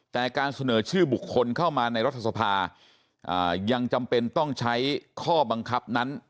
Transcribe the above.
แต่การเสนอชื่อบุคคลเข้ามาในรัฐสภายังจำเป็นต้องใช้ข้อบังคับนั้น